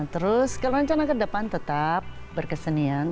terus kalau rencana kedepan tetap berkesenian